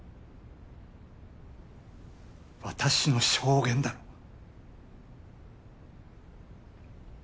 私の証言だろ。